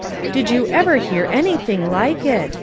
"Did you ever hear anything like it